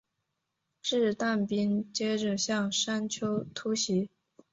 掷弹兵接着向山丘突袭。